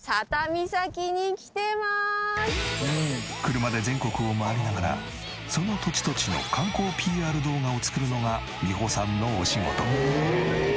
一体車で全国を回りながらその土地土地の観光ＰＲ動画を作るのがみほさんのお仕事。